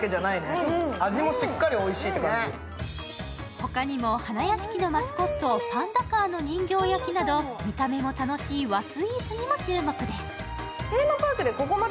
他にも花やしきのマスコット、パンダカーの人形焼きなど見た目も楽しい和スイーツにも注目です。